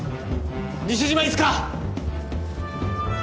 西島いつか！